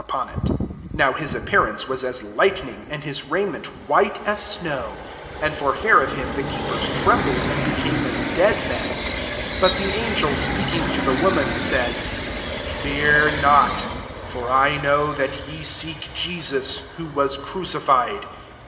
3 Now his appearance was as lightning, and his raiment white as snow : 4 and for fear of him, the keepers trembled, and be came as dead me7i. 5 But the an gel speaking to the women, said, " Fear not : for I know that ye seek Jesus, who was crucified.